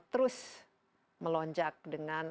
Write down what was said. kita terus melonjak dengan